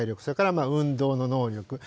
それから運動の能力。